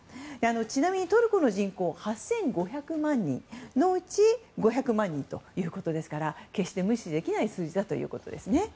ちなみにトルコの人口８５００万人のうち５００万人ですから決して無視できない数字だということですね。